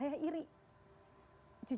dan itu adalah varianya kalo kamu medical